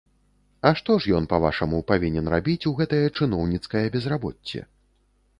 А што ж ён, па-вашаму, павінен рабіць у гэтае чыноўніцкае безрабоцце?